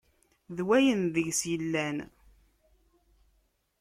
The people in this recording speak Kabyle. D wayen deg-s yellan.